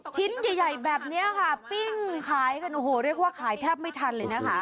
ชิ้นใหญ่แบบนี้ค่ะปิ้งขายกันโอ้โหเรียกว่าขายแทบไม่ทันเลยนะคะ